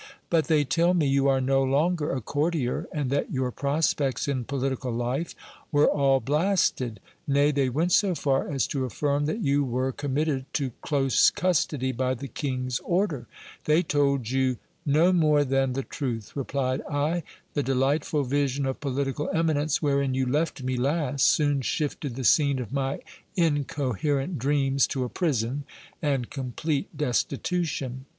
But they tell me, you are no longer a courtier, and that your prospects in politi cal life were all blasted ; nay, they went so far as to affirm, that you were com mitted to close custody by the king's order. They told you no more than the truth, replied I : the delightful vision of political eminence wherein you left me last, soon shifted the scene of my incoherent dreams to a prison and complete destitution.